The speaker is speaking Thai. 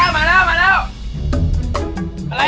ชัดนี้ลงไปเท่าไร